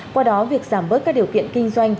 qua đó việc giảm bớt các điều kiện kinh doanh